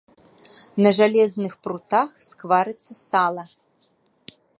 На жалезных прутах скварыцца сала.